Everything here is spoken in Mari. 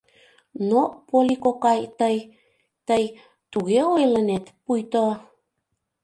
— Но, Полли кокай, тый... тый... туге ойлынет, пуйто...